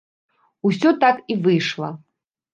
Усё так і выйшла.